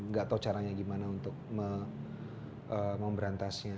enggak tahu caranya bagaimana untuk memberantasnya